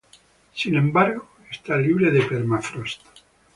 Sin embargo, está libre de permafrost.